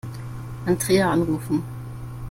Andrea anrufen.